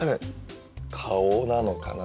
「顔」なのかなって。